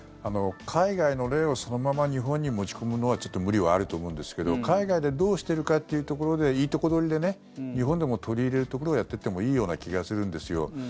海外の例をそのまま日本に持ち込むのはちょっと無理はあると思うんですけど海外でどうしてるかというところでいいとこ取りで日本でも取り入れるところをやっていってもいいような気がするんですよ。